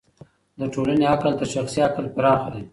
د ټولني عقل تر شخصي عقل پراخه دی.